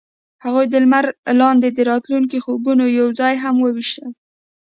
هغوی د لمر لاندې د راتلونکي خوبونه یوځای هم وویشل.